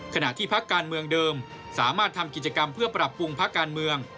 ขณะที่พักการเมืองเดิมสามารถทำกิจกรรมเพื่อปรับปรุงพักการเมือง